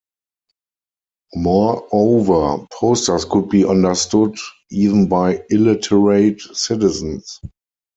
Moreover, posters could be understood even by illiterate citizens.